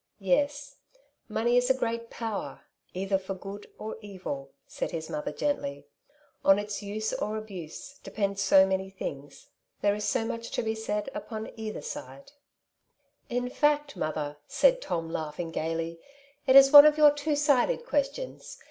'^ Yes ; money is a great power, either for good or evil, said his mother gently. '* On its use or abuse depend so many things. There is so much to be said upon either side.*' Castles in tlie Air. 35 "In fact, mother," said Tom, laughing gaily, *'it is one of your two sided questions.